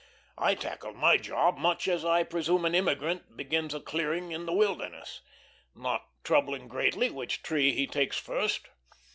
I tackled my job much as I presume an immigrant begins a clearing in the wilderness, not troubling greatly which tree he takes first.